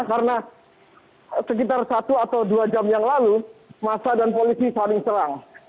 karena sekitar satu atau dua jam yang lalu masa dan polisi saling serang